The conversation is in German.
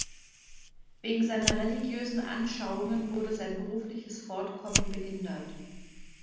Wegen seiner religiösen Anschauungen wurde sein berufliches Fortkommen behindert.